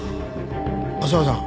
浅輪さん